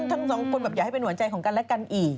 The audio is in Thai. ทั้งสองคนแบบอยากให้เป็นหัวใจของกันและกันอีก